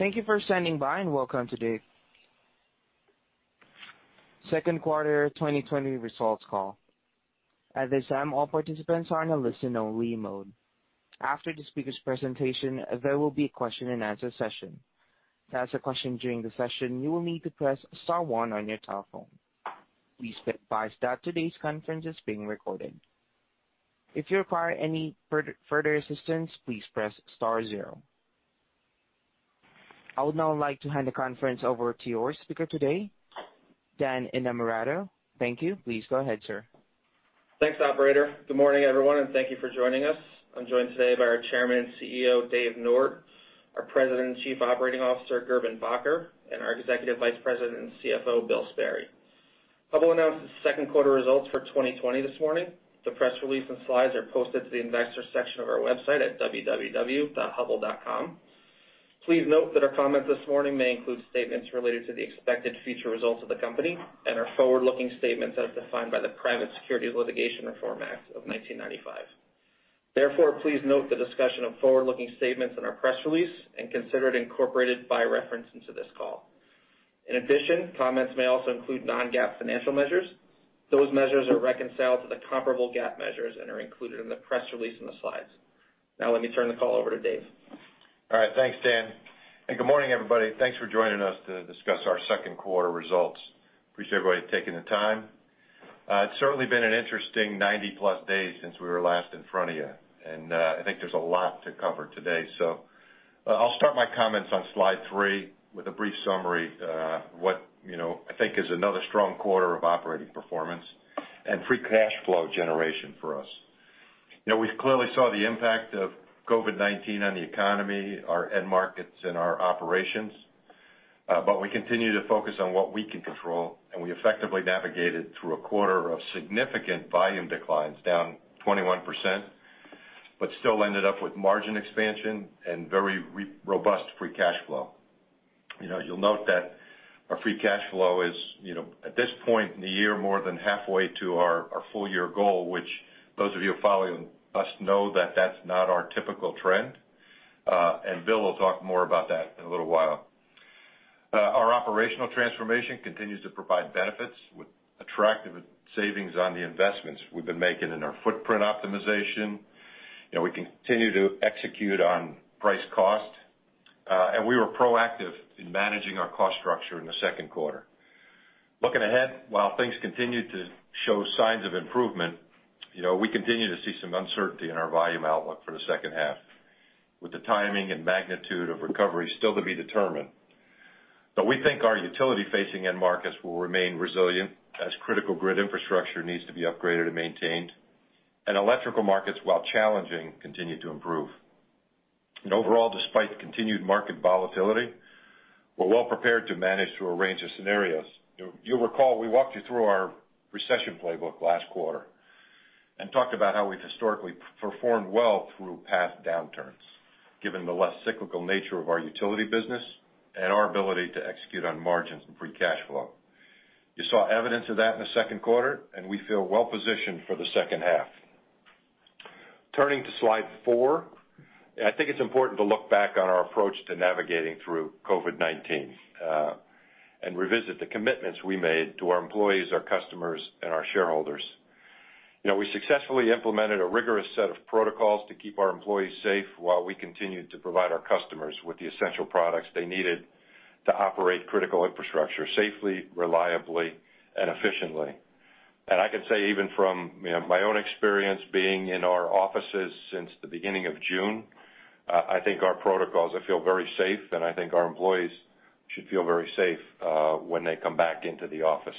Thank you for standing by, and welcome to the second quarter 2020 results call. At this time, all participants are in a listen-only mode. After the speaker's presentation, there will be a question-and-answer session. To ask a question during the session, you will need to press star one on your telephone. Please be advised that today's conference is being recorded. If you require any further assistance, please press star zero. I would now like to hand the conference over to your speaker today, Dan Innamorato. Thank you. Please go ahead, sir. Thanks, operator. Good morning, everyone, and thank you for joining us. I'm joined today by our Chairman and CEO, Dave Nord, our President and Chief Operating Officer, Gerben Bakker, and our Executive Vice President and CFO, Bill Sperry. Hubbell announced its second quarter results for 2020 this morning. The press release and slides are posted to the investors section of our website at www.hubbell.com. Please note that our comments this morning may include statements related to the expected future results of the company and are forward-looking statements as defined by the Private Securities Litigation Reform Act of 1995. Therefore, please note the discussion of forward-looking statements in our press release and consider it incorporated by reference into this call. In addition, comments may also include non-GAAP financial measures. Those measures are reconciled to the comparable GAAP measures and are included in the press release and the slides. Now, let me turn the call over to Dave. All right. Thanks, Dan. Good morning, everybody. Thanks for joining us to discuss our second quarter results. Appreciate everybody taking the time. It's certainly been an interesting 90+ days since we were last in front of you. I think there's a lot to cover today. I'll start my comments on slide three with a brief summary of what I think is another strong quarter of operating performance and free cash flow generation for us. We clearly saw the impact of COVID-19 on the economy, our end markets, and our operations. We continue to focus on what we can control. We effectively navigated through a quarter of significant volume declines, down 21%, but still ended up with margin expansion and very robust free cash flow. You'll note that our free cash flow is, at this point in the year, more than halfway to our full-year goal, which those of you following us know that that's not our typical trend. Bill will talk more about that in a little while. Our operational transformation continues to provide benefits with attractive savings on the investments we've been making in our footprint optimization. We continue to execute on price costs. We were proactive in managing our cost structure in the second quarter. Looking ahead, while things continue to show signs of improvement, we continue to see some uncertainty in our volume outlook for the second half, with the timing and magnitude of recovery still to be determined. We think our utility-facing end markets will remain resilient as critical grid infrastructure needs to be upgraded and maintained. Electrical markets, while challenging, continue to improve. Overall, despite continued market volatility, we're well prepared to manage through a range of scenarios. You'll recall we walked you through our recession playbook last quarter and talked about how we've historically performed well through past downturns, given the less cyclical nature of our utility business and our ability to execute on margins and free cash flow. You saw evidence of that in the second quarter, and we feel well-positioned for the second half. Turning to slide four, I think it's important to look back on our approach to navigating through COVID-19, and revisit the commitments we made to our employees, our customers, and our shareholders. We successfully implemented a rigorous set of protocols to keep our employees safe while we continued to provide our customers with the essential products they needed to operate critical infrastructure safely, reliably, and efficiently. I can say even from my own experience being in our offices since the beginning of June, I think our protocols feel very safe, and I think our employees should feel very safe when they come back into the office.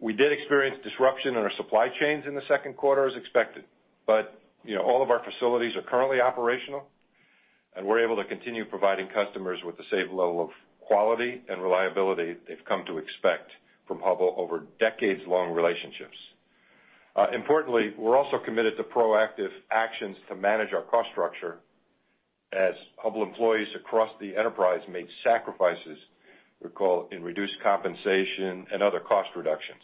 We did experience disruption in our supply chains in the second quarter as expected, but all of our facilities are currently operational, and we're able to continue providing customers with the same level of quality and reliability they've come to expect from Hubbell over decades-long relationships. Importantly, we're also committed to proactive actions to manage our cost structure as Hubbell employees across the enterprise made sacrifices, recall, in reduced compensation and other cost reductions.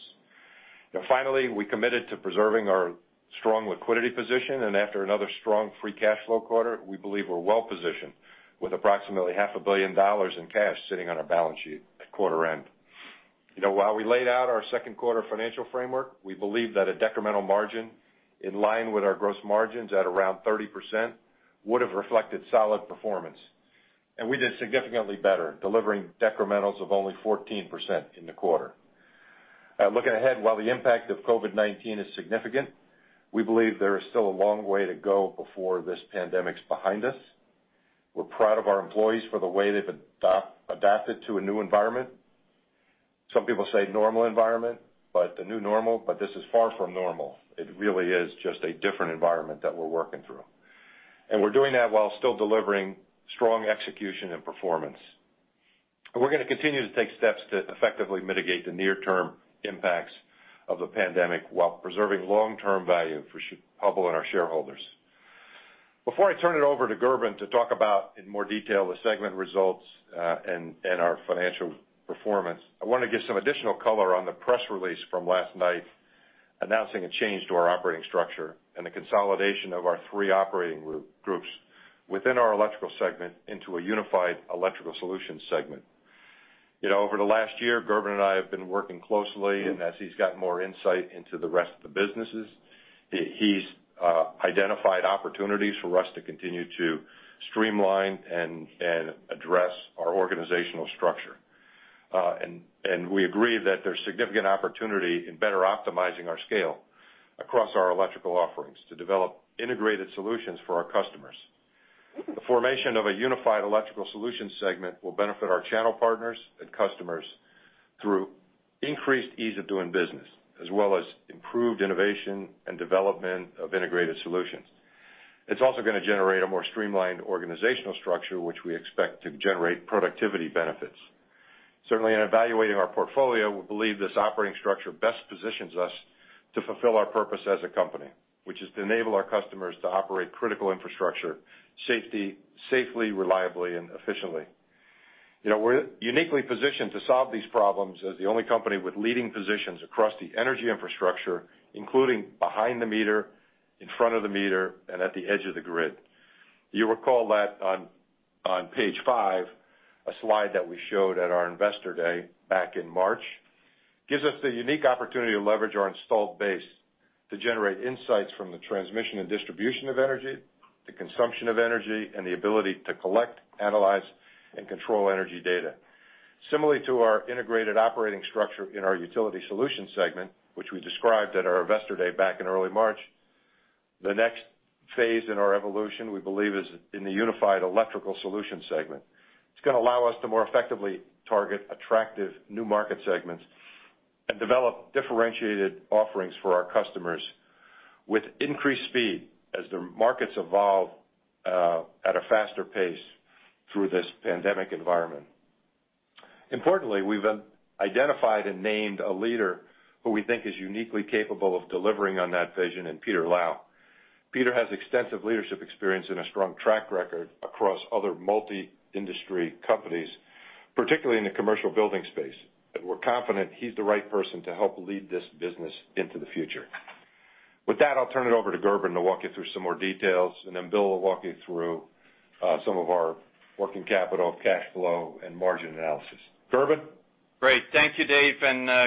Finally, we committed to preserving our strong liquidity position, and after another strong free cash flow quarter, we believe we're well-positioned with approximately half a billion dollars in cash sitting on our balance sheet at quarter end. While we laid out our second quarter financial framework, we believe that a decremental margin in line with our gross margins at around 30% would have reflected solid performance. We did significantly better, delivering decrementals of only 14% in the quarter. Looking ahead, while the impact of COVID-19 is significant, we believe there is still a long way to go before this pandemic is behind us. We're proud of our employees for the way they've adapted to a new environment. Some people say normal environment, but the new normal, but this is far from normal. It really is just a different environment that we're working through. We're doing that while still delivering strong execution and performance. We're going to continue to take steps to effectively mitigate the near-term impacts of the pandemic while preserving long-term value for Hubbell and our shareholders. Before I turn it over to Gerben to talk about in more detail the segment results and our financial performance, I want to give some additional color on the press release from last night announcing a change to our operating structure and the consolidation of our three operating groups within our Electrical Solutions segment into a unified Electrical Solutions segment. Over the last year, Gerben and I have been working closely, and as he's got more insight into the rest of the businesses, he's identified opportunities for us to continue to streamline and address our organizational structure. We agree that there's significant opportunity in better optimizing our scale across our electrical offerings to develop integrated solutions for our customers. The formation of a unified Electrical Solutions segment will benefit our channel partners and customers through increased ease of doing business, as well as improved innovation and development of integrated solutions. It's also going to generate a more streamlined organizational structure, which we expect to generate productivity benefits. Certainly, in evaluating our portfolio, we believe this operating structure best positions us to fulfill our purpose as a company, which is to enable our customers to operate critical infrastructure safely, reliably, and efficiently. We're uniquely positioned to solve these problems as the only company with leading positions across the energy infrastructure, including behind the meter, in front of the meter, and at the edge of the grid. You recall that on page five, a slide that we showed at our Investor Day back in March gives us the unique opportunity to leverage our installed base to generate insights from the transmission and distribution of energy, the consumption of energy, and the ability to collect, analyze, and control energy data. Similarly to our integrated operating structure in our Utility Solutions segment, which we described at our Investor Day back in early March, the next phase in our evolution, we believe, is in the unified Electrical Solutions segment. It's going to allow us to more effectively target attractive new market segments and develop differentiated offerings for our customers with increased speed as the markets evolve at a faster pace through this pandemic environment. Importantly, we've identified and named a leader who we think is uniquely capable of delivering on that vision in Peter Lau. Peter has extensive leadership experience and a strong track record across other multi-industry companies, particularly in the commercial building space, and we're confident he's the right person to help lead this business into the future. With that, I'll turn it over to Gerben to walk you through some more details, and then Bill will walk you through some of our working capital, cash flow, and margin analysis. Gerben? Great. Thank you, Dave.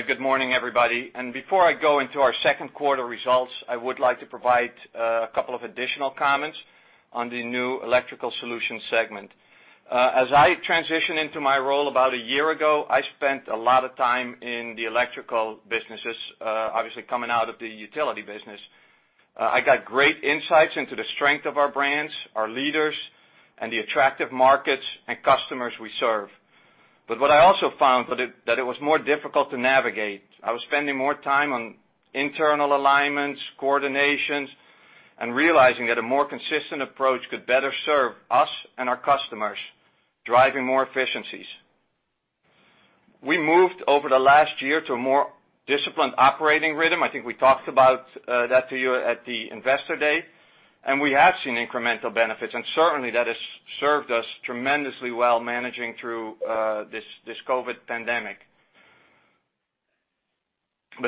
Good morning, everybody. Before I go into our second quarter results, I would like to provide a couple of additional comments on the new Electrical Solutions segment. As I transitioned into my role about a year ago, I spent a lot of time in the electrical businesses, obviously coming out of the Utility business. I got great insights into the strength of our brands, our leaders, and the attractive markets and customers we serve. What I also found that it was more difficult to navigate. I was spending more time on internal alignments, coordinations, and realizing that a more consistent approach could better serve us and our customers, driving more efficiencies. We moved over the last year to a more disciplined operating rhythm. I think we talked about that to you at the Investor Day. We have seen incremental benefits, certainly that has served us tremendously well managing through this COVID pandemic.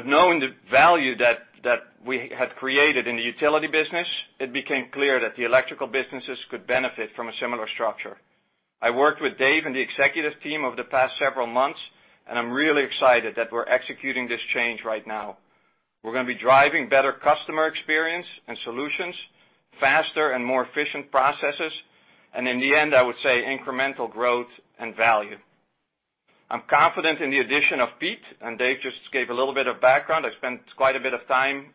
Knowing the value that we had created in the Utility business, it became clear that the Electrical businesses could benefit from a similar structure. I worked with Dave and the executive team over the past several months. I'm really excited that we're executing this change right now. We're going to be driving better customer experience and solutions, faster and more efficient processes, and in the end, I would say, incremental growth and value. I'm confident in the addition of Pete. Dave just gave a little bit of background. I spent quite a bit of time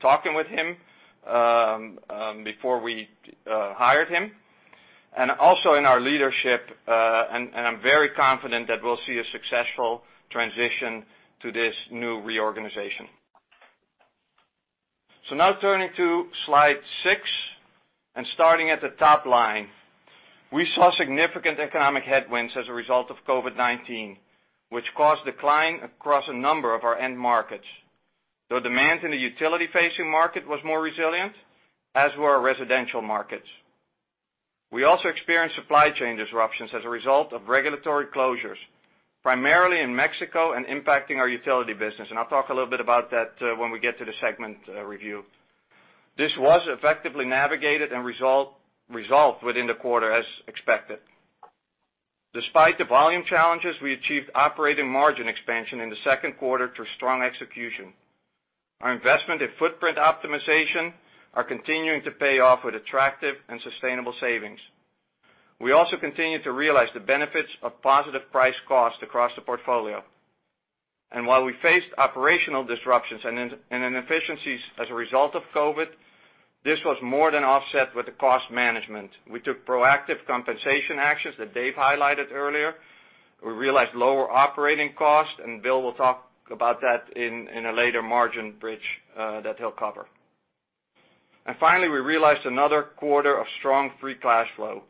talking with him before we hired him. Also in our leadership, and I'm very confident that we'll see a successful transition to this new reorganization. Now turning to slide six and starting at the top line. We saw significant economic headwinds as a result of COVID-19, which caused decline across a number of our end markets, though demand in the utility-facing market was more resilient, as were our residential markets. We also experienced supply chain disruptions as a result of regulatory closures, primarily in Mexico and impacting our Utility business, and I'll talk a little bit about that when we get to the segment review. This was effectively navigated and resolved within the quarter as expected. Despite the volume challenges, we achieved operating margin expansion in the second quarter through strong execution. Our investment in footprint optimization are continuing to pay off with attractive and sustainable savings. We also continue to realize the benefits of positive price cost across the portfolio. While we faced operational disruptions and inefficiencies as a result of COVID-19, this was more than offset with the cost management. We took proactive compensation actions that Dave highlighted earlier. We realized lower operating costs, Bill will talk about that in a later margin bridge that he'll cover. Finally, we realized another quarter of strong free cash flow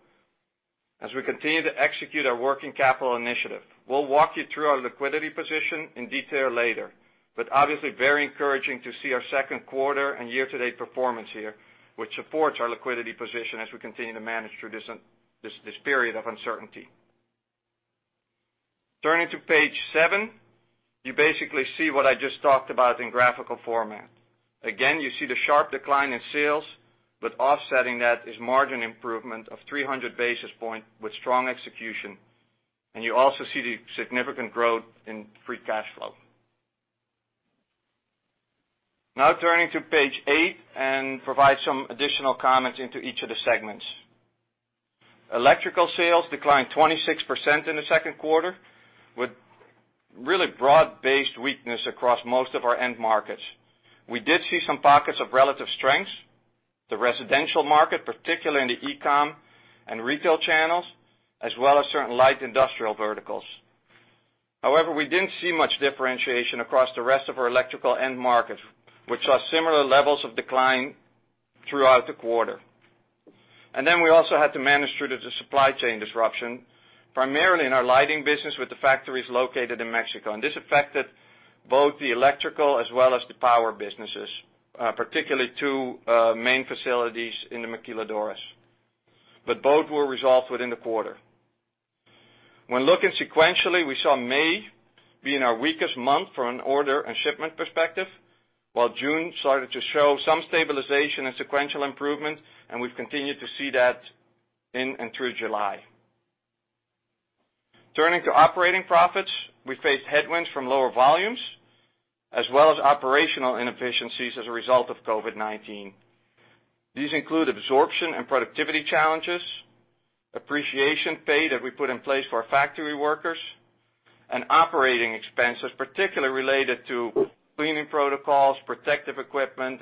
as we continue to execute our working capital initiative. We'll walk you through our liquidity position in detail later, obviously very encouraging to see our second quarter and year-to-date performance here, which supports our liquidity position as we continue to manage through this period of uncertainty. Turning to page seven, you basically see what I just talked about in graphical format. You see the sharp decline in sales, offsetting that is margin improvement of 300 basis points with strong execution. You also see the significant growth in free cash flow. Turning to page eight and provide some additional comments into each of the segments. Electrical sales declined 26% in the second quarter, with really broad-based weakness across most of our end markets. We did see some pockets of relative strengths, the residential market, particularly in the e-com and retail channels, as well as certain light industrial verticals. We didn't see much differentiation across the rest of our electrical end markets, which saw similar levels of decline throughout the quarter. We also had to manage through the supply chain disruption, primarily in our lighting business with the factories located in Mexico. This affected both the Electrical as well as the Power businesses, particularly two main facilities in the maquiladoras. Both were resolved within the quarter. When looking sequentially, we saw May being our weakest month from an order and shipment perspective, while June started to show some stabilization and sequential improvement, and we've continued to see that in and through July. Turning to operating profits, we faced headwinds from lower volumes, as well as operational inefficiencies as a result of COVID-19. These include absorption and productivity challenges, appreciation pay that we put in place for our factory workers, and operating expenses, particularly related to cleaning protocols, protective equipment.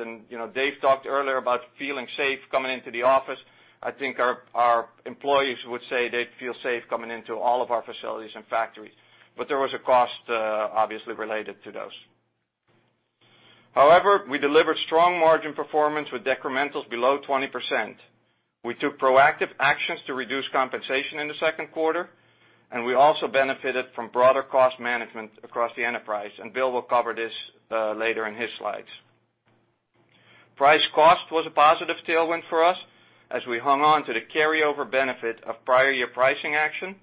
Dave talked earlier about feeling safe coming into the office. I think our employees would say they'd feel safe coming into all of our facilities and factories. There was a cost, obviously, related to those. However, we delivered strong margin performance with decrementals below 20%. We took proactive actions to reduce compensation in the second quarter, and we also benefited from broader cost management across the enterprise, and Bill will cover this later in his slides. Price cost was a positive tailwind for us as we hung on to the carryover benefit of prior year pricing action,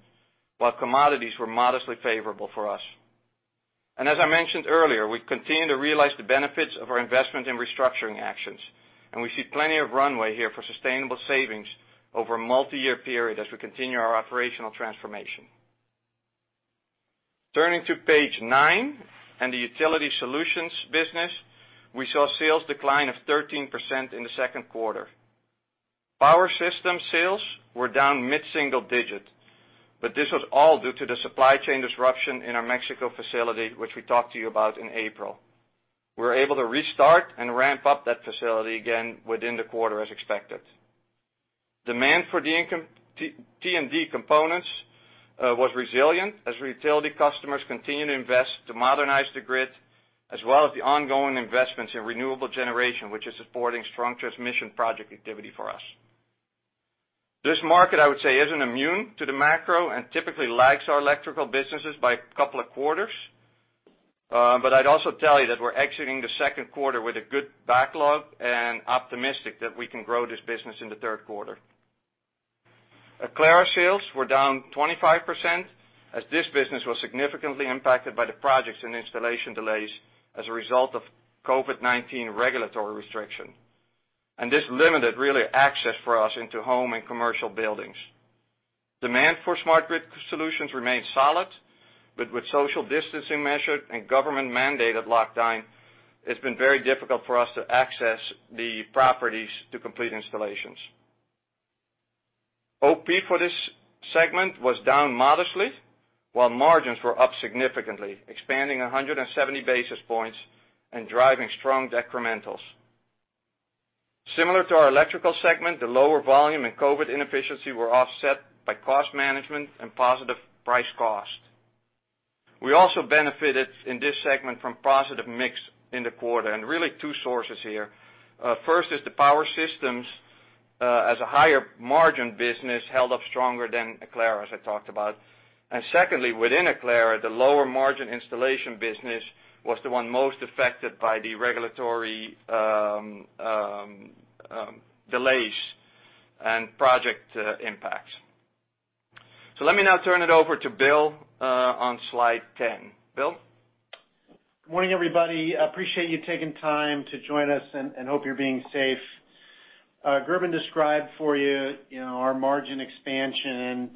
while commodities were modestly favorable for us. As I mentioned earlier, we continue to realize the benefits of our investment in restructuring actions, and we see plenty of runway here for sustainable savings over a multi-year period as we continue our operational transformation. Turning to page nine and the Utility Solutions business, we saw sales decline of 13% in the second quarter. Power system sales were down mid-single digit, but this was all due to the supply chain disruption in our Mexico facility, which we talked to you about in April. We're able to restart and ramp up that facility again within the quarter as expected. Demand for T&D components was resilient as utility customers continue to invest to modernize the grid, as well as the ongoing investments in renewable generation, which is supporting strong transmission project activity for us. This market, I would say, isn't immune to the macro and typically lags our electrical businesses by a couple of quarters. I'd also tell you that we're exiting the second quarter with a good backlog and optimistic that we can grow this business in the third quarter. Aclara sales were down 25% as this business was significantly impacted by the projects and installation delays as a result of COVID-19 regulatory restriction. This limited, really, access for us into home and commercial buildings. Demand for smart grid solutions remained solid, with social distancing measures and government-mandated lockdown, it's been very difficult for us to access the properties to complete installations. OP for this segment was down modestly, while margins were up significantly, expanding 170 basis points and driving strong decrementals. Similar to our Electrical segment, the lower volume and COVID inefficiency were offset by cost management and positive price cost. We also benefited in this segment from positive mix in the quarter, really two sources here. First is the Power systems, as a higher margin business, held up stronger than Aclara, as I talked about. Secondly, within Aclara, the lower margin installation business was the one most affected by the regulatory delays and project impacts. Let me now turn it over to Bill on slide 10. Bill? Morning, everybody. I appreciate you taking time to join us and hope you're being safe. Gerben described for you our margin expansion.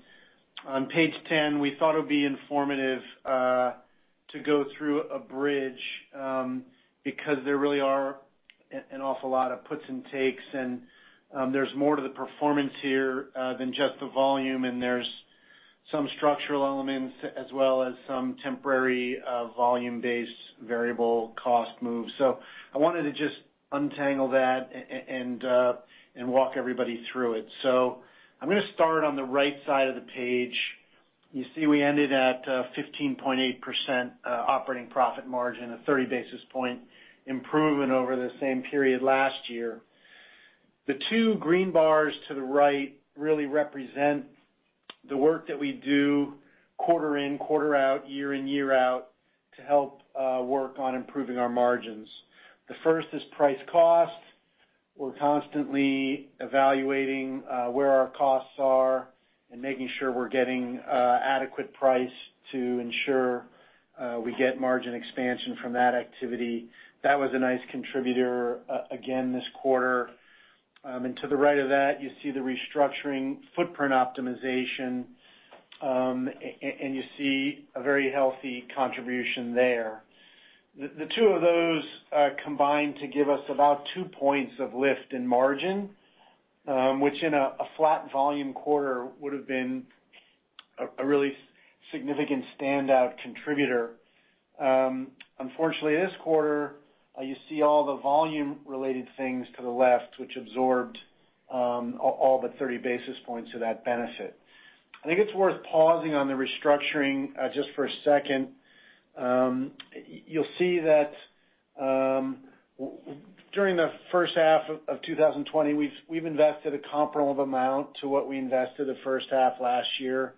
On page 10, we thought it would be informative to go through a bridge, because there really are an awful lot of puts and takes, and there's more to the performance here than just the volume, and there's some structural elements as well as some temporary volume-based variable cost moves. I wanted to just untangle that and walk everybody through it. I'm going to start on the right side of the page. You see we ended at 15.8% operating profit margin, a 30-basis point improvement over the same period last year. The two green bars to the right really represent the work that we do quarter in, quarter out, year in, year out to help work on improving our margins. The first is price cost. We're constantly evaluating where our costs are and making sure we're getting adequate price to ensure we get margin expansion from that activity. That was a nice contributor again this quarter. To the right of that, you see the restructuring footprint optimization, and you see a very healthy contribution there. The two of those combine to give us about two points of lift and margin, which in a flat volume quarter would have been a really significant standout contributor. Unfortunately, this quarter, you see all the volume-related things to the left, which absorbed all but 30 basis points of that benefit. I think it's worth pausing on the restructuring just for a second. You'll see that during the first half of 2020, we've invested a comparable amount to what we invested the first half last year.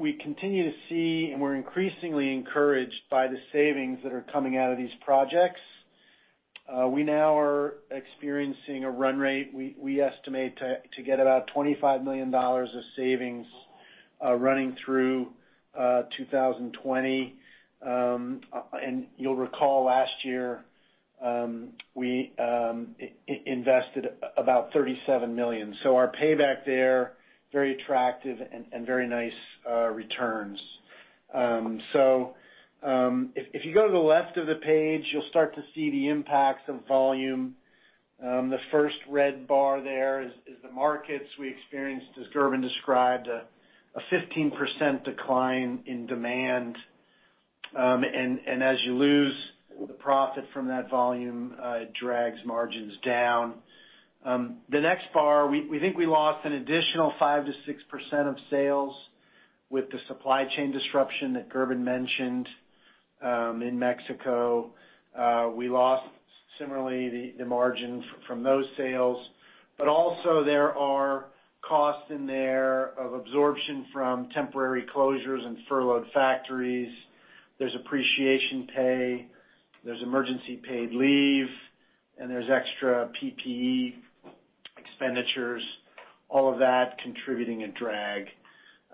We continue to see, and we're increasingly encouraged by the savings that are coming out of these projects. We now are experiencing a run rate. We estimate to get about $25 million of savings running through 2020. You'll recall last year, we invested about $37 million. Our payback there, very attractive and very nice returns. If you go to the left of the page, you'll start to see the impacts of volume. The first red bar there is the markets. We experienced, as Gerben described, a 15% decline in demand. As you lose the profit from that volume, it drags margins down. The next bar, we think we lost an additional 5%-6% of sales with the supply chain disruption that Gerben mentioned in Mexico. We lost similarly the margin from those sales. Also there are costs in there of absorption from temporary closures and furloughed factories. There's appreciation pay, there's emergency paid leave, and there's extra PPE expenditures, all of that contributing a drag.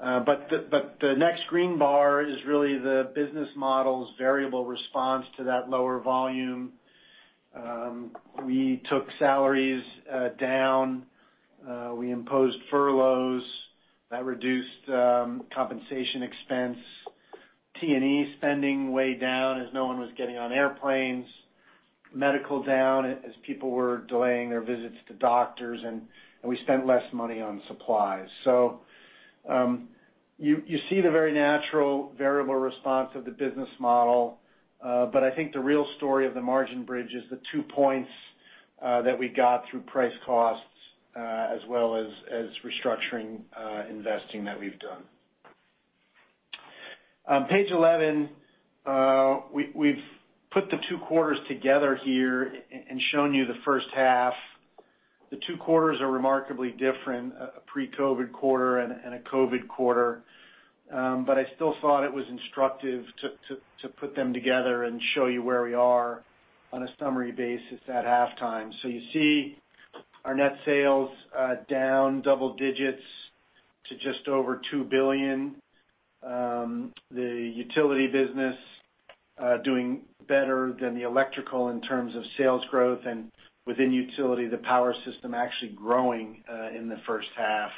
The next green bar is really the business model's variable response to that lower volume. We took salaries down. We imposed furloughs. That reduced compensation expense. T&E spending way down as no one was getting on airplanes. Medical down as people were delaying their visits to doctors, and we spent less money on supplies. You see the very natural variable response of the business model. I think the real story of the margin bridge is the two points that we got through price costs as well as restructuring investing that we've done. On page 11, we've put the two quarters together here and shown you the first half. The two quarters are remarkably different, a pre-COVID-19 quarter and a COVID-19 quarter. I still thought it was instructive to put them together and show you where we are on a summary basis at halftime. You see our net sales down double digits to just over $2 billion. The Utility business doing better than the Electrical in terms of sales growth, and within Utility, the Power system actually growing in the first half.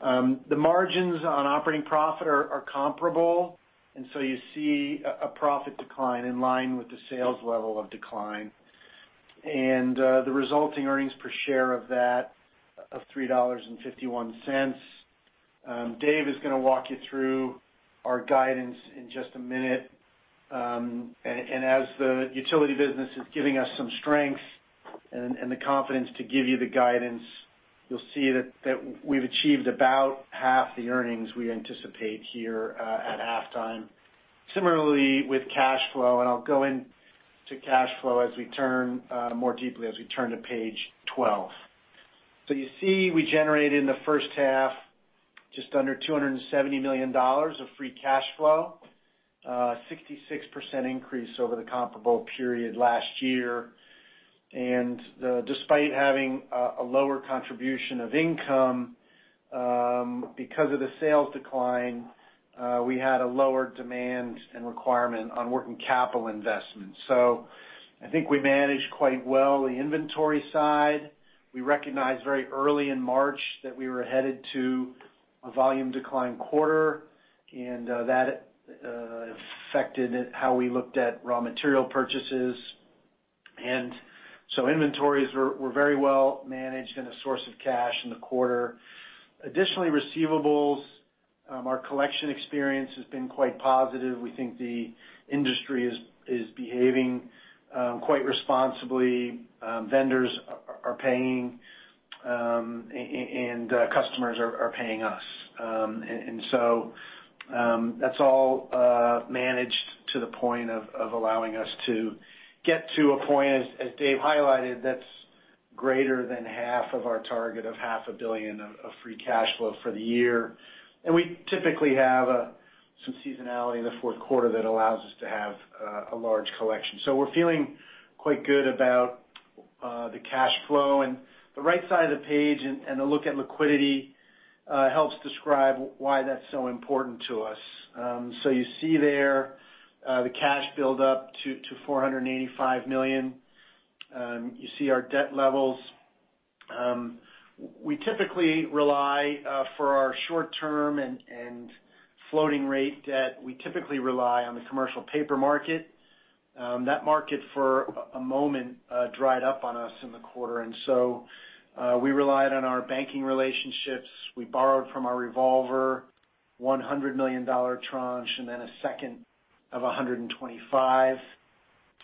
The margins on operating profit are comparable, you see a profit decline in line with the sales level of decline. The resulting earnings per share of that of $3.51. Dave is going to walk you through our guidance in just a minute. As the Utility business is giving us some strength and the confidence to give you the guidance, you'll see that we've achieved about half the earnings we anticipate here at halftime. Similarly, with cash flow, and I'll go into cash flow more deeply as we turn to page 12. You see we generated in the first half just under $270 million of free cash flow, a 66% increase over the comparable period last year. Despite having a lower contribution of income because of the sales decline, we had a lower demand and requirement on working capital investments. I think we managed quite well the inventory side. We recognized very early in March that we were headed to a volume decline quarter, and that affected how we looked at raw material purchases. Inventories were very well managed and a source of cash in the quarter. Additionally, receivables, our collection experience has been quite positive. We think the industry is behaving quite responsibly. Vendors are paying, customers are paying us. That's all managed to the point of allowing us to get to a point, as Dave highlighted, that's greater than half of our target of half a billion of free cash flow for the year. We typically have some seasonality in the fourth quarter that allows us to have a large collection. We're feeling quite good about the cash flow. The right side of the page and the look at liquidity helps describe why that's so important to us. You see there the cash build up to $485 million. You see our debt levels. For our short-term and floating rate debt, we typically rely on the commercial paper market. That market for a moment, dried up on us in the quarter. We relied on our banking relationships. We borrowed from our revolver $100 million tranche, then a second of $125 million.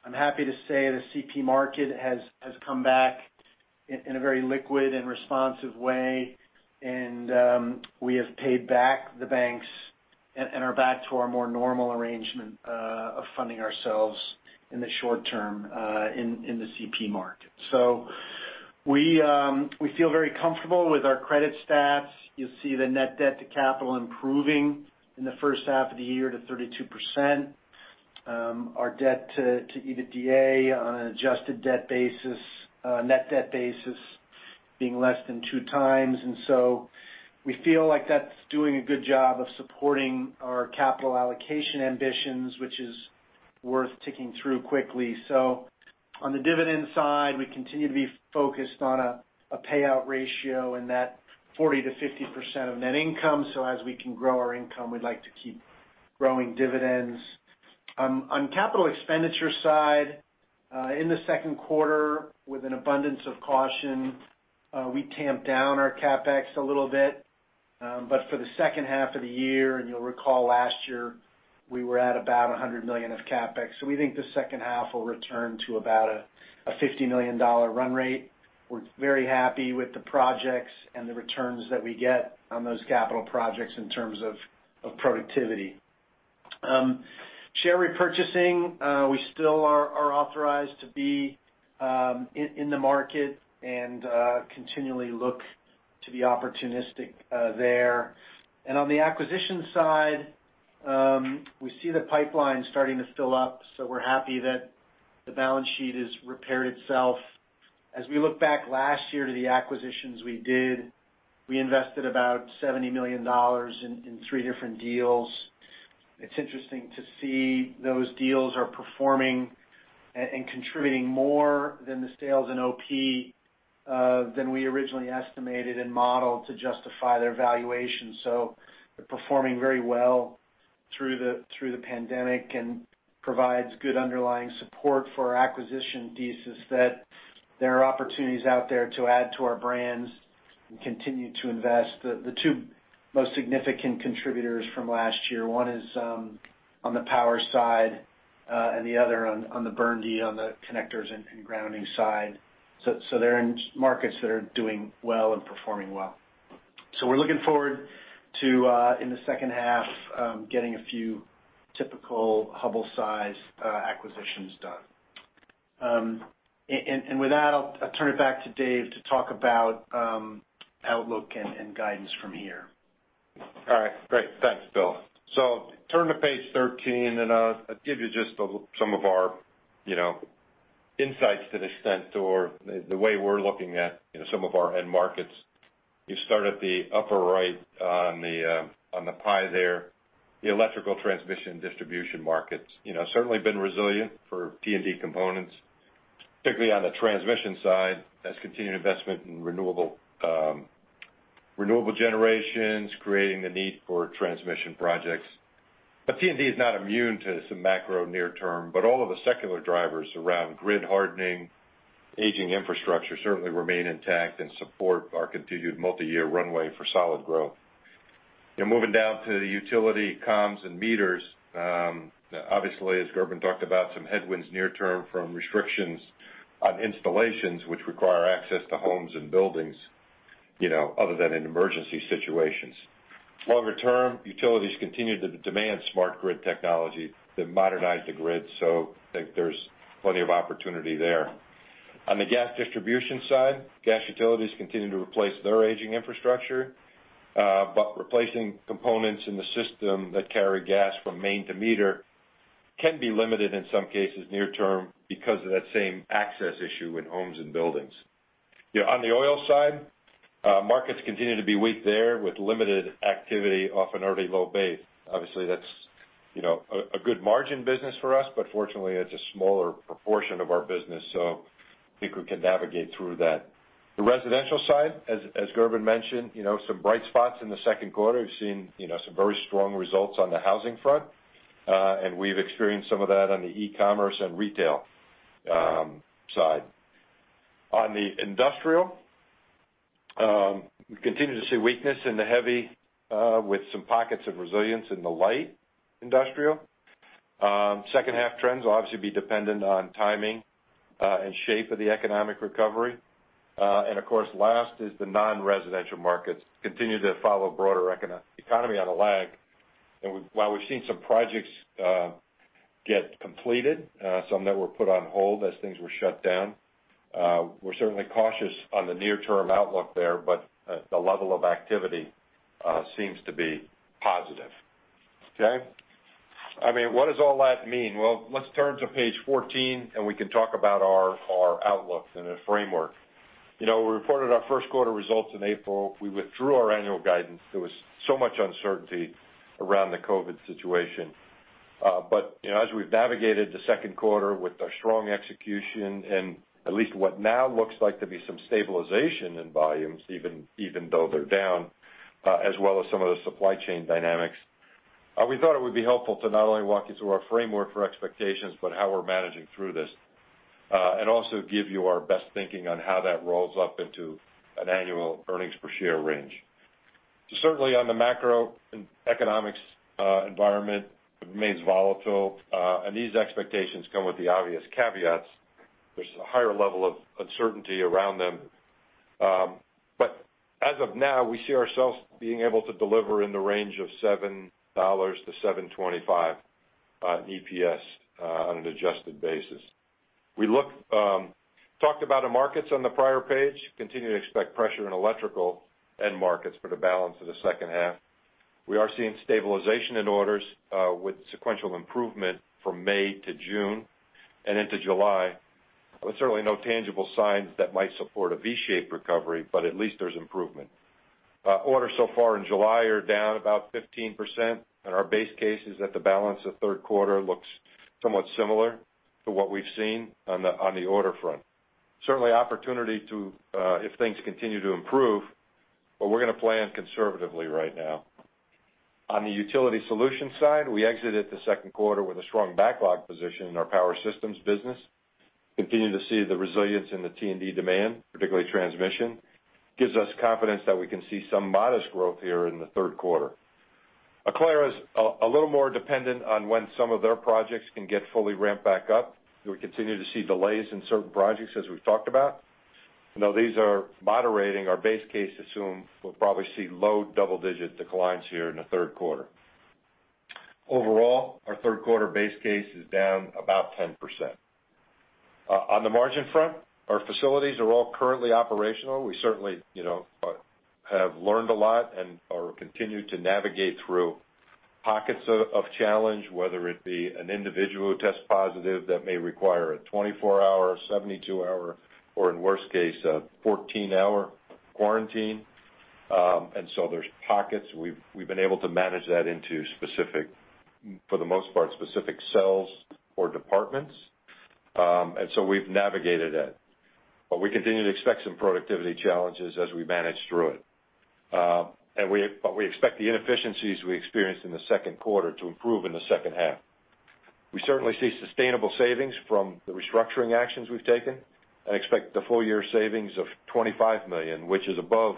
I'm happy to say the CP market has come back in a very liquid and responsive way, and we have paid back the banks and are back to our more normal arrangement of funding ourselves in the short term in the CP market. We feel very comfortable with our credit stats. You'll see the net debt to capital improving in the first half of the year to 32%. Our debt to EBITDA on an adjusted net debt basis being less than 2x. We feel like that's doing a good job of supporting our capital allocation ambitions, which is worth ticking through quickly. On the dividend side, we continue to be focused on a payout ratio in that 40%-50% of net income. As we can grow our income, we'd like to keep growing dividends. On capital expenditure side, in the second quarter with an abundance of caution, we tamped down our CapEx a little bit. For the second half of the year, and you'll recall last year, we were at about $100 million of CapEx. We think the second half will return to about a $50 million run rate. We're very happy with the projects and the returns that we get on those capital projects in terms of productivity. Share repurchasing, we still are authorized to be in the market and continually look to be opportunistic there. On the acquisition side, we see the pipeline starting to fill up, so we're happy that the balance sheet has repaired itself. As we look back last year to the acquisitions we did, we invested about $70 million in three different deals. It's interesting to see those deals are performing and contributing more than the sales in OP than we originally estimated and modeled to justify their valuation. They're performing very well through the pandemic and provides good underlying support for our acquisition thesis that there are opportunities out there to add to our brands and continue to invest. The two most significant contributors from last year, one is on the Power side, and the other on the BURNDY, on the connectors and grounding side. They're in markets that are doing well and performing well. We're looking forward to, in the second half, getting a few typical Hubbell size acquisitions done. With that, I'll turn it back to Dave to talk about outlook and guidance from here. All right. Great. Thanks, Bill. Turn to page 13, and I'll give you just some of our insights to the extent, or the way we're looking at some of our end markets. You start at the upper right on the pie there. The electrical transmission distribution markets. Certainly been resilient for T&D components, particularly on the transmission side as continued investment in renewable generations, creating the need for transmission projects. T&D is not immune to some macro near term, but all of the secular drivers around grid hardening, aging infrastructure certainly remain intact and support our continued multi-year runway for solid growth. Moving down to the Utility comms and meters. Obviously, as Gerben talked about, some headwinds near term from restrictions on installations which require access to homes and buildings, other than in emergency situations. Longer term, utilities continue to demand smart grid technology to modernize the grid. I think there's plenty of opportunity there. On the gas distribution side, gas utilities continue to replace their aging infrastructure. Replacing components in the system that carry gas from main to meter can be limited in some cases near term because of that same access issue in homes and buildings. On the oil side, markets continue to be weak there with limited activity off an already low base. Obviously that's a good margin business for us. Fortunately, it's a smaller proportion of our business. I think we can navigate through that. The residential side, as Gerben mentioned, some bright spots in the second quarter. We've seen some very strong results on the housing front. We've experienced some of that on the e-commerce and retail side. On the industrial, we continue to see weakness in the heavy, with some pockets of resilience in the light industrial. Second half trends will obviously be dependent on timing, and shape of the economic recovery. Of course, last is the non-residential markets. Continue to follow broader economy on a lag. While we've seen some projects get completed, some that were put on hold as things were shut down. We're certainly cautious on the near-term outlook there, but the level of activity seems to be positive. Okay. What does all that mean? Let's turn to page 14, and we can talk about our outlook in a framework. We reported our first quarter results in April. We withdrew our annual guidance. There was so much uncertainty around the COVID situation. As we've navigated the second quarter with a strong execution and at least what now looks like to be some stabilization in volumes, even though they're down, as well as some of the supply chain dynamics, we thought it would be helpful to not only walk you through our framework for expectations, but how we're managing through this. Also give you our best thinking on how that rolls up into an annual earnings per share range. Certainly, on the macroeconomics environment, it remains volatile, and these expectations come with the obvious caveats. There's a higher level of uncertainty around them. As of now, we see ourselves being able to deliver in the range of $7 to $7.25 EPS on an adjusted basis. We talked about the markets on the prior page, continue to expect pressure in electrical end markets for the balance of the second half. We are seeing stabilization in orders with sequential improvement from May to June and into July, but certainly no tangible signs that might support a V-shaped recovery, but at least there's improvement. Orders so far in July are down about 15%, and our base case is that the balance of third quarter looks somewhat similar to what we've seen on the order front. Certainly opportunity to, if things continue to improve, but we're going to plan conservatively right now. On the Utility Solutions side, we exited the second quarter with a strong backlog position in our Power systems business. We continue to see the resilience in the T&D demand, particularly transmission. This gives us confidence that we can see some modest growth here in the third quarter. Aclara is a little more dependent on when some of their projects can get fully ramped back up. We continue to see delays in certain projects as we've talked about. These are moderating our base case assume we'll probably see low double-digit declines here in the third quarter. Overall, our third-quarter base case is down about 10%. On the margin front, our facilities are all currently operational. We certainly have learned a lot and are continued to navigate through pockets of challenge, whether it be an individual who tests positive that may require a 24-hour, 72-hour, or in worst case, a 14-hour quarantine. There's pockets. We've been able to manage that into, for the most part, specific cells or departments. We've navigated it. We continue to expect some productivity challenges as we manage through it. We expect the inefficiencies we experienced in the second quarter to improve in the second half. We certainly see sustainable savings from the restructuring actions we've taken and expect the full-year savings of $25 million, which is above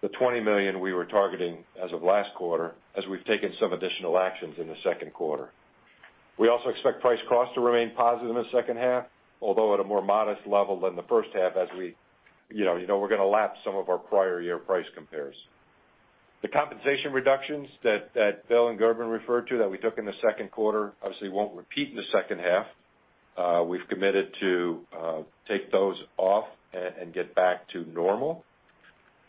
the $20 million we were targeting as of last quarter as we've taken some additional actions in the second quarter. We also expect price cost to remain positive in the second half, although at a more modest level than the first half as we're going to lap some of our prior year price compares. The compensation reductions that Bill and Gerben referred to that we took in the second quarter obviously won't repeat in the second half. We've committed to take those off and get back to normal.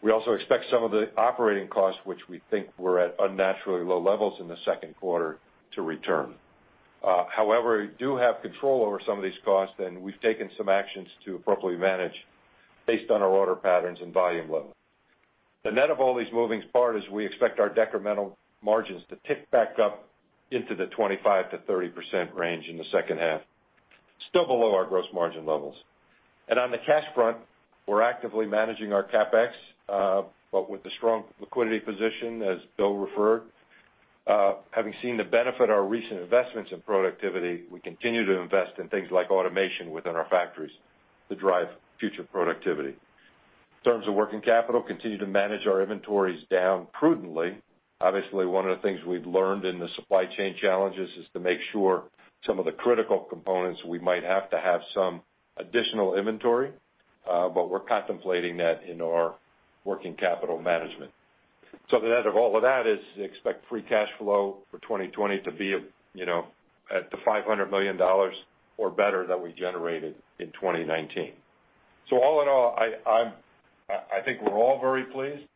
We also expect some of the operating costs, which we think were at unnaturally low levels in the second quarter, to return. However, we do have control over some of these costs, and we've taken some actions to appropriately manage based on our order patterns and volume levels. The net of all these moving parts is we expect our decremental margins to tick back up into the 25%-30% range in the second half, still below our gross margin levels. On the cash front, we're actively managing our CapEx, but with the strong liquidity position, as Bill referred. Having seen the benefit of our recent investments in productivity, we continue to invest in things like automation within our factories to drive future productivity. In terms of working capital, continue to manage our inventories down prudently. One of the things we've learned in the supply chain challenges is to make sure some of the critical components, we might have to have some additional inventory, but we're contemplating that in our working capital management. The net of all of that is expect free cash flow for 2020 to be at the $500 million or better that we generated in 2019. All in all, I think we're all very pleased.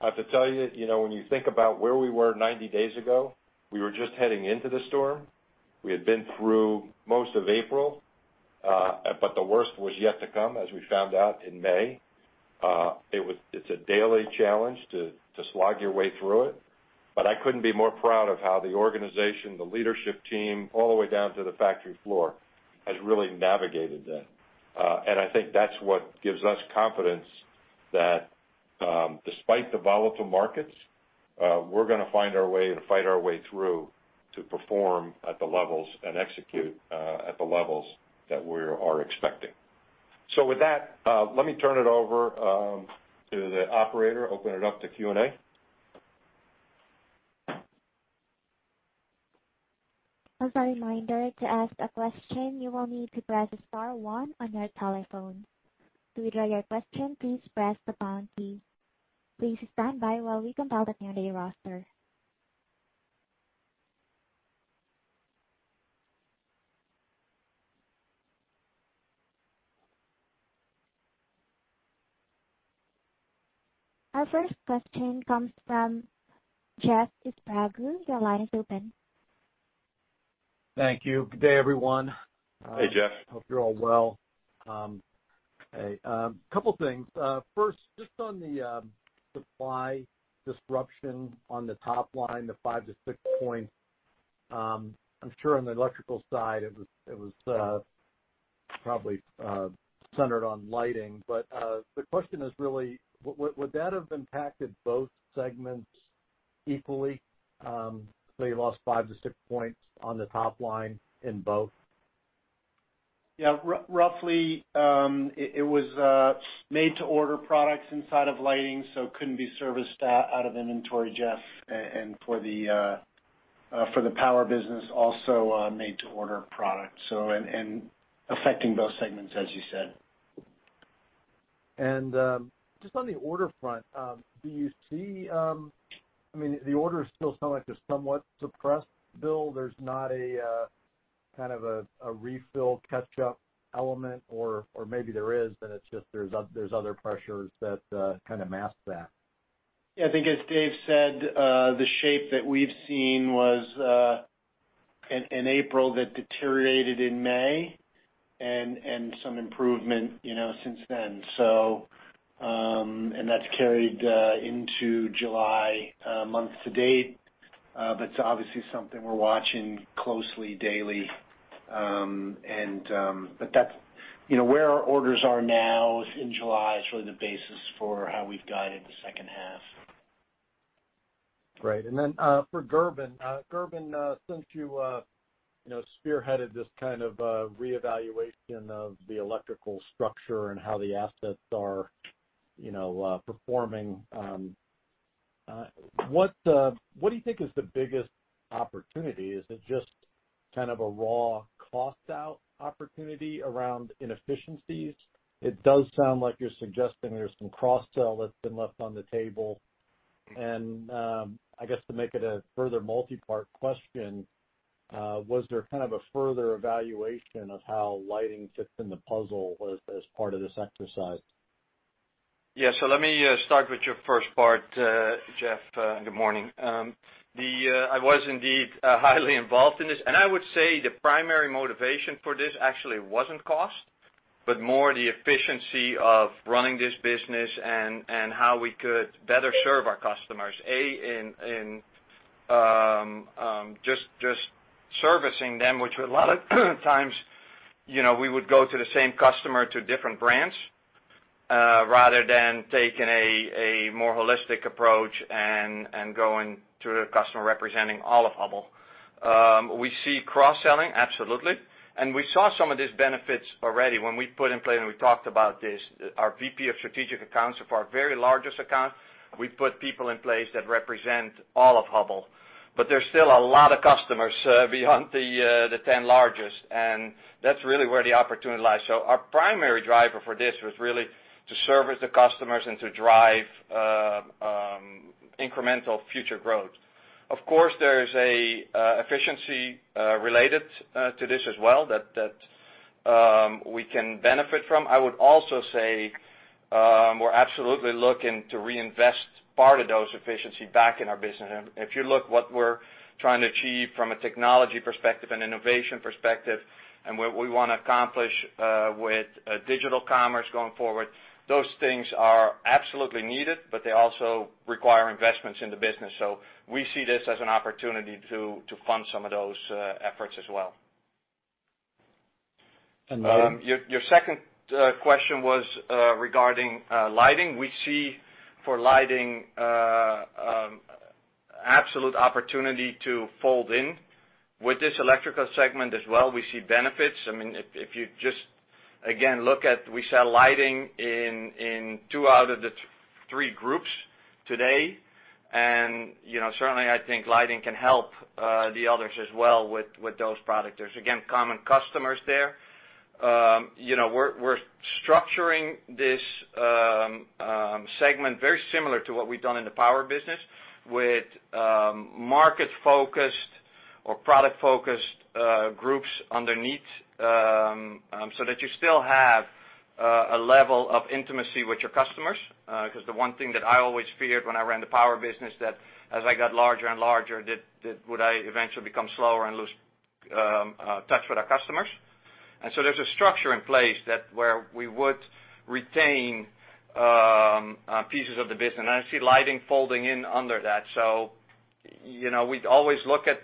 I have to tell you, when you think about where we were 90 days ago, we were just heading into the storm. We had been through most of April, but the worst was yet to come, as we found out in May. It's a daily challenge to slog your way through it, I couldn't be more proud of how the organization, the leadership team, all the way down to the factory floor, has really navigated that. I think that's what gives us confidence that despite the volatile markets, we're going to find our way and fight our way through to perform at the levels and execute at the levels that we are expecting. With that, let me turn it over to the operator, open it up to Q and A. As a reminder, to ask a question, you will need to press star one on your telephone. To withdraw your question, please press the pound key. Please stand by while we compile the Q and A roster. Our first question comes from Jeff Sprague. Your line is open. Thank you. Good day, everyone. Hey, Jeff. Hope you're all well. A couple things. First, just on the supply disruption on the top line, the five to six points. I'm sure on the Electrical side, it was probably centered on lighting. The question is really, would that have impacted both segments equally? You lost five to six points on the top line in both. Yeah, roughly. It was made-to-order products inside of lighting, so it couldn't be serviced out of inventory, Jeff. For the Power business also made-to-order product, and affecting both segments, as you said. Just on the order front, the orders still sound like they're somewhat suppressed, Bill. There's not a refill catch-up element, or maybe there is, but it's just there's other pressures that kind of mask that. Yeah, I think as Dave said, the shape that we've seen was in April, that deteriorated in May, and some improvement since then. That's carried into July month to date. It's obviously something we're watching closely daily. Where our orders are now in July is really the basis for how we've guided the second half. Right. Then for Gerben. Gerben, since you spearheaded this kind of reevaluation of the Electrical structure and how the assets are performing, what do you think is the biggest opportunity? Is it just kind of a raw cost out opportunity around inefficiencies? It does sound like you're suggesting there's some cross-sell that's been left on the table. I guess to make it a further multipart question, was there kind of a further evaluation of how lighting fits in the puzzle as part of this exercise? Let me start with your first part, Jeff. Good morning. I was indeed highly involved in this. I would say the primary motivation for this actually wasn't cost, but more the efficiency of running this business and how we could better serve our customers, A, in just servicing them, which a lot of times we would go to the same customer to different brands, rather than taking a more holistic approach and going to the customer representing all of Hubbell. We see cross-selling, absolutely. We saw some of these benefits already when we put in place, and we talked about this, our VP of strategic accounts of our very largest accounts. We put people in place that represent all of Hubbell. There's still a lot of customers beyond the 10 largest, and that's really where the opportunity lies. Our primary driver for this was really to service the customers and to drive incremental future growth. Of course, there is an efficiency related to this as well that we can benefit from. I would also say, we're absolutely looking to reinvest part of those efficiencies back in our business. If you look what we're trying to achieve from a technology perspective and innovation perspective and what we want to accomplish with digital commerce going forward, those things are absolutely needed, but they also require investments in the business. We see this as an opportunity to fund some of those efforts as well. And then- Your second question was regarding lighting. We see for lighting absolute opportunity to fold in with this electrical segment as well. We see benefits. If you just, again, look at we sell lighting in two out of the three groups today. Certainly, I think lighting can help the others as well with those product. There's, again, common customers there. We're structuring this segment very similar to what we've done in the power business with market-focused or product-focused groups underneath, so that you still have a level of intimacy with your customers. The one thing that I always feared when I ran the power business, that as I got larger and larger, would I eventually become slower and lose touch with our customers. There's a structure in place where we would retain pieces of the business, and I see lighting folding in under that. We always look at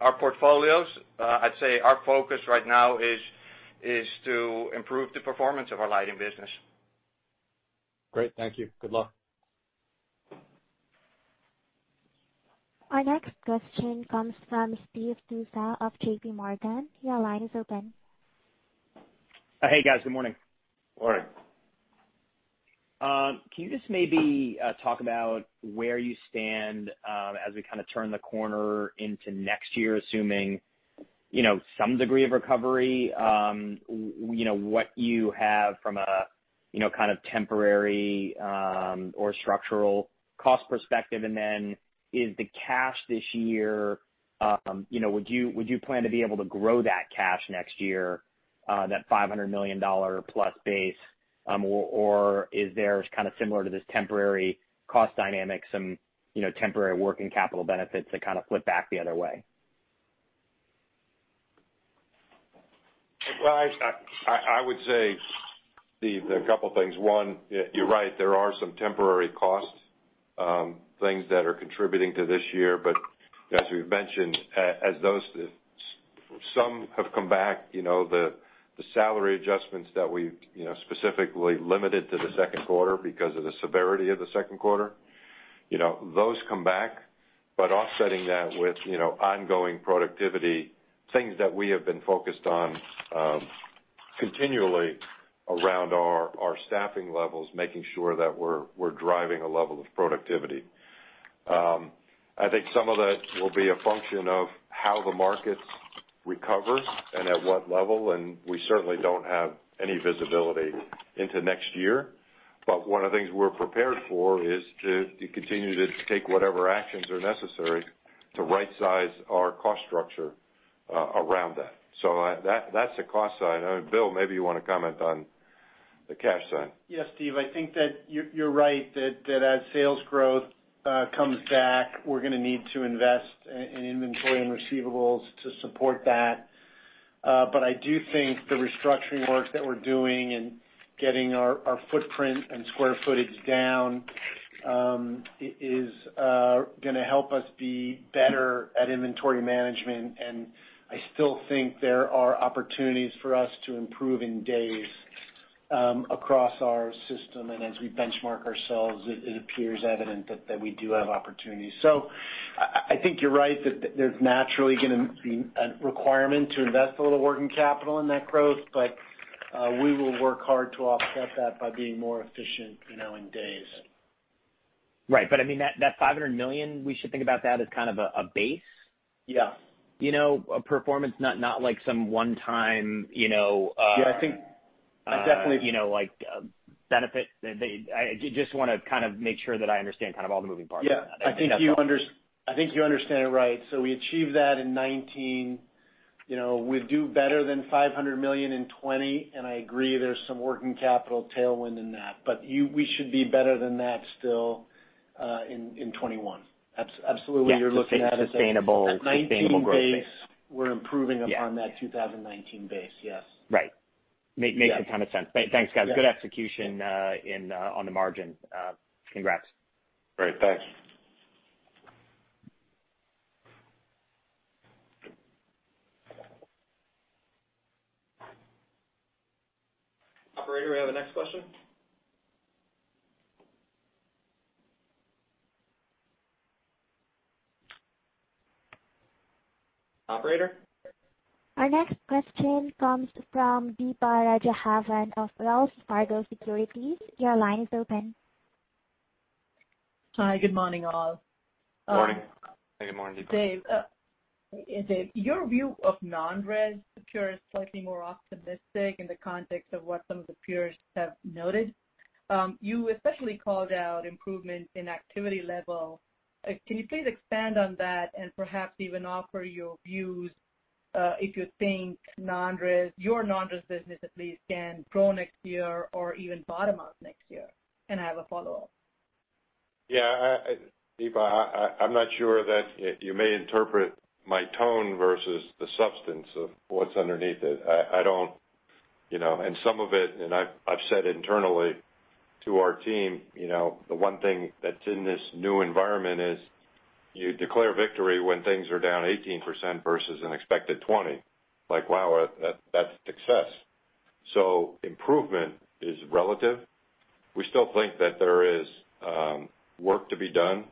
our portfolios. I'd say our focus right now is to improve the performance of our lighting business. Great, thank you. Good luck. Our next question comes from Steve Tusa of JPMorgan. Your line is open. Hey, guys. Good morning. Morning. Can you just maybe talk about where you stand as we kind of turn the corner into next year, assuming some degree of recovery, what you have from a kind of temporary or structural cost perspective. Then is the cash this year, would you plan to be able to grow that cash next year, that $500 million+ base? Is there kind of similar to this temporary cost dynamic, some temporary working capital benefits that kind of flip back the other way? Well, I would say, Steve, there are a couple of things. One, you're right, there are some temporary cost things that are contributing to this year. As we've mentioned, as some have come back, the salary adjustments that we specifically limited to the second quarter because of the severity of the second quarter, those come back. Offsetting that with ongoing productivity, things that we have been focused on continually around our staffing levels, making sure that we're driving a level of productivity. I think some of that will be a function of how the market recovers and at what level, and we certainly don't have any visibility into next year. One of the things we're prepared for is to continue to take whatever actions are necessary to rightsize our cost structure around that. That's the cost side. Bill, maybe you want to comment on the cash side. Yes, Steve, I think that you're right, that as sales growth comes back, we're going to need to invest in inventory and receivables to support that. But I do think the restructuring work that we're doing and getting our footprint and square footage down is going to help us be better at inventory management. And I still think there are opportunities for us to improve in days across our system. And as we benchmark ourselves, it appears evident that we do have opportunities. So I think you're right that there's naturally going to be a requirement to invest a little working capital in that growth. But we will work hard to offset that by being more efficient in days. Right. I mean, that $500 million, we should think about that as kind of a base? Yes. A performance, not like some one time. Yeah, I think. Like benefit. I just want to kind of make sure that I understand kind of all the moving parts. Yeah, I think you understand it right. We achieved that in 2019. We do better than $500 million in 2020. I agree, there's some working capital tailwind in that. We should be better than that still in 2021. Absolutely. You're looking at it. Yes, sustainable growth base. 2019 base, we're improving upon that 2019 base, yes. Right. Makes a ton of sense. Thanks, guys. Good execution on the margin. Congrats. Great. Thanks. Operator, we have the next question? Operator? Our next question comes from Deepa Raghavan of Wells Fargo Securities. Your line is open. Hi. Good morning, all. Morning. Good morning, Deepa. Dave, your view of non-res appears slightly more optimistic in the context of what some of the peers have noted. You especially called out improvement in activity level. Can you please expand on that and perhaps even offer your views, if you think your non-res business at least can grow next year or even bottom out next year? I have a follow-up. Yeah. Deepa, I'm not sure that you may interpret my tone versus the substance of what's underneath it. Some of it, and I've said internally to our team, the one thing that's in this new environment is you declare victory when things are down 18% versus an expected 20%. Like, wow, that's success. Improvement is relative. We still think that there is work to be done,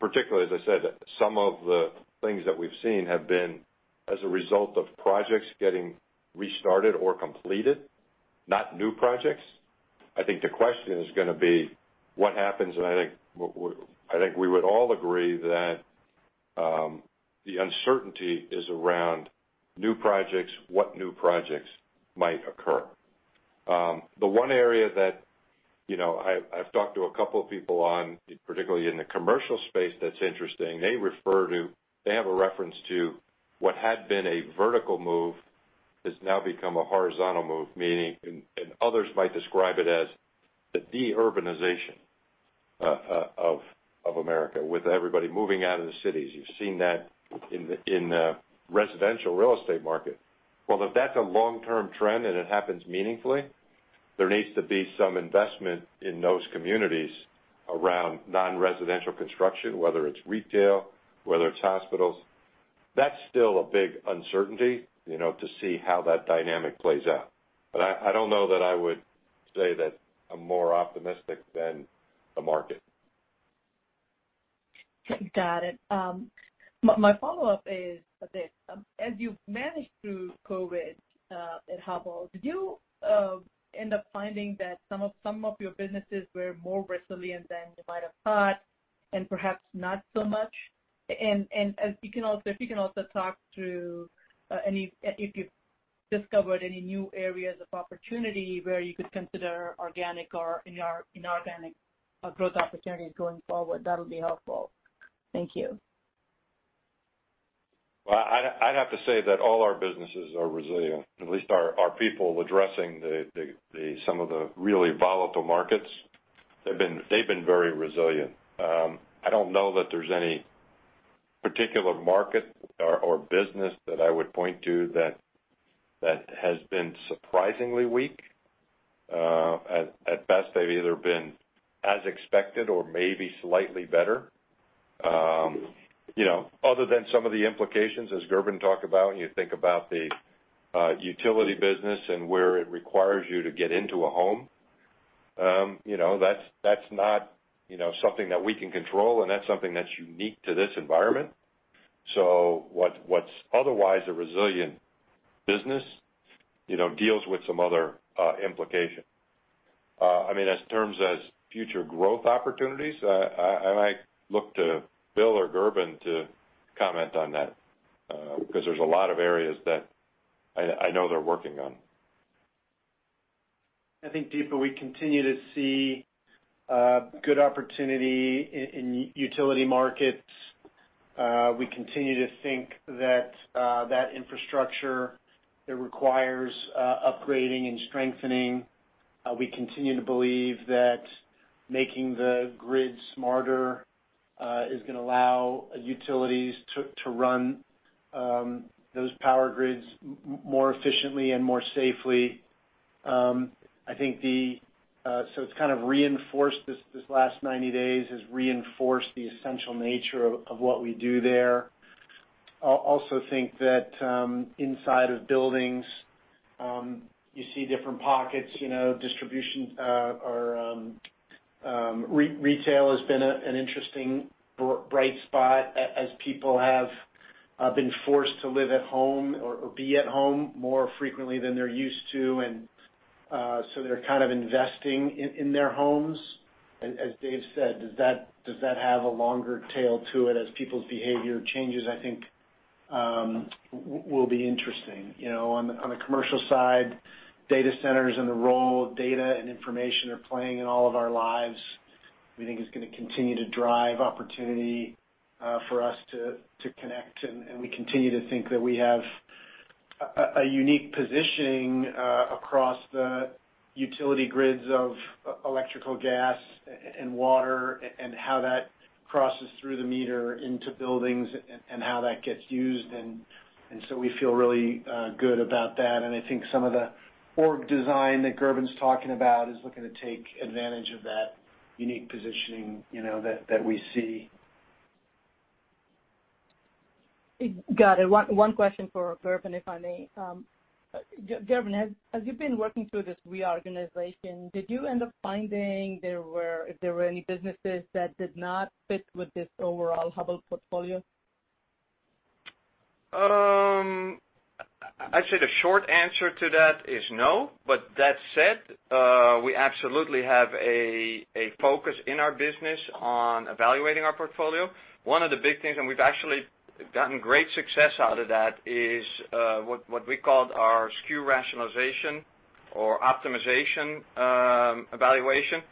particularly, as I said, some of the things that we've seen have been as a result of projects getting restarted or completed, not new projects. I think the question is going to be what happens, and I think we would all agree that the uncertainty is around new projects, what new projects might occur. The one area that I've talked to a couple of people on, particularly in the commercial space that's interesting, they have a reference to what had been a vertical move has now become a horizontal move, meaning, and others might describe it as the de-urbanization of America, with everybody moving out of the cities. You've seen that in the residential real estate market. Well, if that's a long-term trend and it happens meaningfully, there needs to be some investment in those communities around non-residential construction, whether it's retail, whether it's hospitals. That's still a big uncertainty to see how that dynamic plays out. I don't know that I would say that I'm more optimistic than the market. Got it. My follow-up is this. As you've managed through COVID at Hubbell, did you end up finding that some of your businesses were more resilient than you might have thought? Perhaps not so much. If you can also talk through if you've discovered any new areas of opportunity where you could consider organic or inorganic growth opportunities going forward, that'll be helpful. Thank you. Well, I'd have to say that all our businesses are resilient, at least our people addressing some of the really volatile markets. They've been very resilient. I don't know that there's any particular market or business that I would point to that has been surprisingly weak. At best, they've either been as expected or maybe slightly better. Other than some of the implications, as Gerben talked about, when you think about the Utility business and where it requires you to get into a home. That's not something that we can control, and that's something that's unique to this environment. What's otherwise a resilient business deals with some other implication. In terms of future growth opportunities, I might look to Bill or Gerben to comment on that because there's a lot of areas that I know they're working on. I think, Deepa, we continue to see good opportunity in utility markets. We continue to think that infrastructure that requires upgrading and strengthening. We continue to believe that making the grid smarter is going to allow utilities to run those power grids more efficiently and more safely. It's kind of reinforced, this last 90 days has reinforced the essential nature of what we do there. I also think that inside of buildings, you see different pockets. Retail has been an interesting bright spot as people have been forced to live at home or be at home more frequently than they're used to. They're kind of investing in their homes. As Dave said, does that have a longer tail to it as people's behavior changes? I think will be interesting. On the commercial side, data centers and the role data and information are playing in all of our lives, we think is going to continue to drive opportunity for us to connect. We continue to think that we have a unique positioning across the utility grids of electrical gas and water and how that crosses through the meter into buildings and how that gets used. We feel really good about that. I think some of the org design that Gerben's talking about is looking to take advantage of that unique positioning that we see. Got it. One question for Gerben, if I may. Gerben, as you've been working through this reorganization, did you end up finding if there were any businesses that did not fit with this overall Hubbell portfolio? I'd say the short answer to that is no. That said, we absolutely have a focus in our business on evaluating our portfolio. One of the big things, and we've actually gotten great success out of that, is what we called our SKU rationalization or optimization evaluation.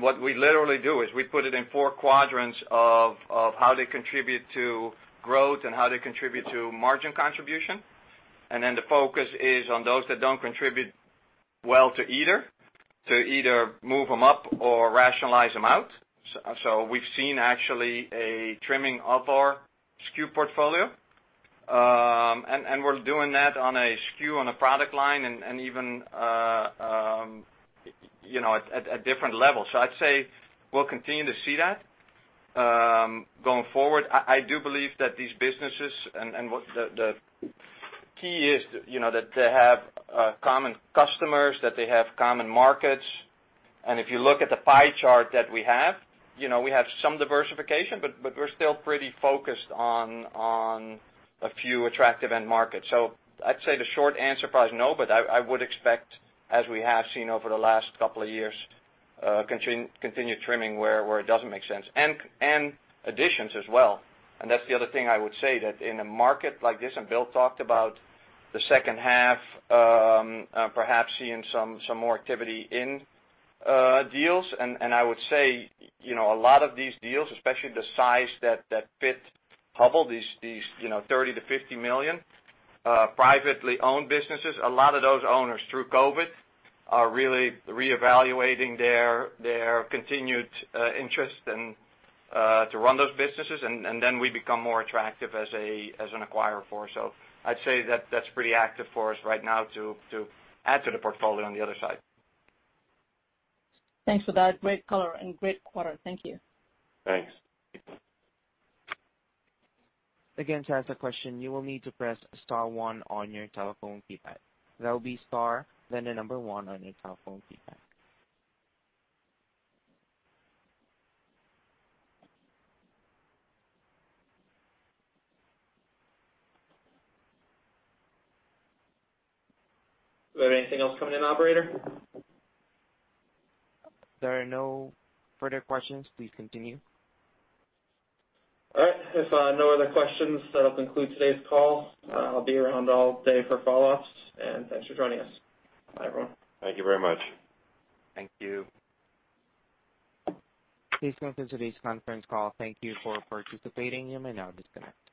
What we literally do is we put it in four quadrants of how they contribute to growth and how they contribute to margin contribution. The focus is on those that don't contribute well to either. To either move them up or rationalize them out. We've seen actually a trimming of our SKU portfolio. We're doing that on a SKU on a product line and even at different levels. I'd say we'll continue to see that going forward. I do believe that these businesses and what the key is that they have common customers, that they have common markets. If you look at the pie chart that we have, we have some diversification, but we're still pretty focused on a few attractive end markets. I'd say the short answer, probably is no, but I would expect, as we have seen over the last couple of years, continued trimming where it doesn't make sense and additions as well. That's the other thing I would say, that in a market like this, and Bill talked about the second half, perhaps seeing some more activity in deals. I would say a lot of these deals, especially the size that fit Hubbell, these $30 million-$50 million privately owned businesses, a lot of those owners through COVID are really reevaluating their continued interest to run those businesses. Then we become more attractive as an acquirer for, I'd say that's pretty active for us right now to add to the portfolio on the other side. Thanks for that great color and great quarter. Thank you. Thanks. To ask a question, you will need to press star one on your telephone keypad. That will be star, then the number one on your telephone keypad. Do we have anything else coming in, Operator? There are no further questions. Please continue. All right. If no other questions, that'll conclude today's call. I'll be around all day for follow-ups. Thanks for joining us. Bye, everyone. Thank you very much. Thank you. Please listen to today's conference call. Thank you for participating. You may now disconnect.